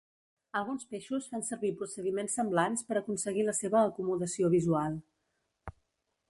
Alguns peixos fan servir procediments semblants per aconseguir la seva acomodació visual.